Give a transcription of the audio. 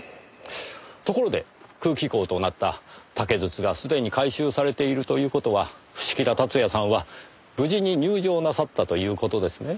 ところで空気孔となった竹筒がすでに回収されているという事は伏木田辰也さんは無事に入定なさったという事ですね。